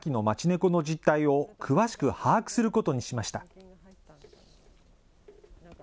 この実態を詳しく把握することにしました。